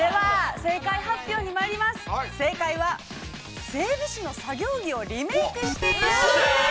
正解は整備士の制服をリメイクしている。